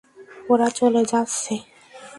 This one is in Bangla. ওরা চলে যাচ্ছে।